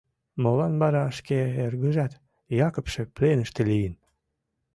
Молан вара шке эргыжат, Якыпше, пленыште лийын?